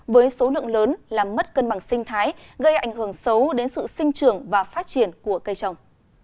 với số lượng lớn làm mất cân bằng sinh thái gây ảnh hưởng xấu đến sự sinh trưởng và phát triển của cây trồng